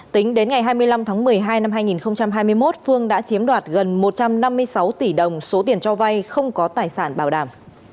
tính đến ngày hai mươi năm tháng một mươi hai năm hai nghìn hai mươi một phương đã chiếm đoạt gần một trăm năm mươi sáu tỷ đồng số tiền cho vay không có tài sản bảo đảm